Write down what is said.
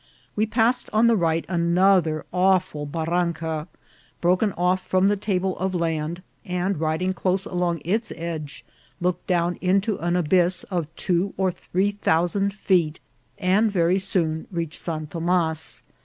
We passed on the right another awful barranca, broken off from the table of land, and riding close along its edge, looked down into an abyss of two or three thousand feet, and very soon reached Santa Thomas.